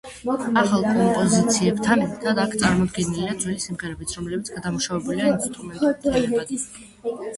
ახალ კომპოზიციებთან ერთად, აქ წარმოდგენილია ძველი სიმღერებიც, რომლებიც გადამუშავებულია ინსტრუმენტულ თემებად.